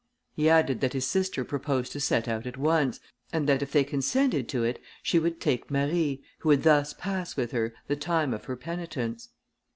He added that his sister proposed to set out at once, and that if they consented to it, she would take Marie, who would thus pass with her the time of her penitence.